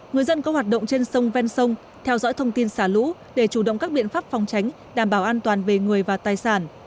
người dân có hoạt động trên sông ven sông theo dõi thông tin xả lũ để chủ động các biện pháp phòng tránh đảm bảo an toàn về người và tài sản